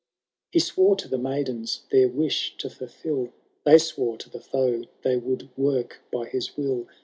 He swore to the maidens their wish to fulfil— They swore to the foe they would work by his will.